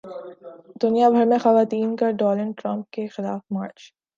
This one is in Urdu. دنیا بھر میں خواتین کا ڈونلڈ ٹرمپ کے خلاف مارچ